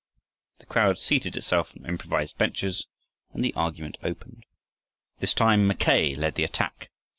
The crowd seated itself on improvised benches and the argument opened. This time Mackay led the attack.